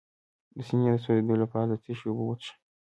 د سینې د سوځیدو لپاره د څه شي اوبه وڅښم؟